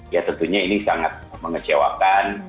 ya tentunya ini sangat mengecewakan